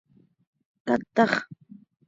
¡Catax!